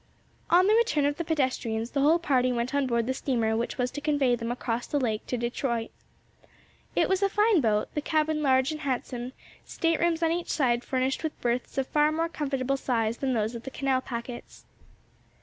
On the return of the pedestrians the whole party went on board the steamer which was to convey them across the lake to Detroit. It was a fine boat, the cabin large and handsome; staterooms on each side furnished with berths of far more comfortable size than those of the canal packets.